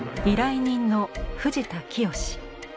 依頼人の藤田清。